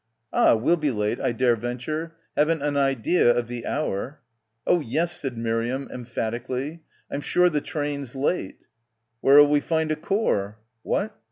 "Ah, we'll be late I dare venture. Haven't an idea of the hour." "Oh, yes," said Miriam emphatically, "I'm sure the train's late." "Where'll we find a core?" "What?"